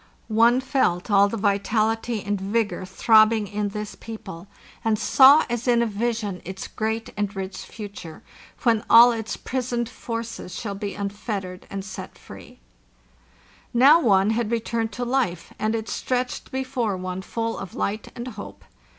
One felt all the vitality and vigor throbbing in this people, and saw as in a vision its great and rich future, when all its prisoned forces shall be unfettered and set vee: Now one had returned to life, and it stretched before one full of light and hope.